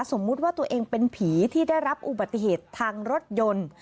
สมมุติว่าตัวเองเป็นผีที่ได้รับอุบัติเหตุทางรถยนต์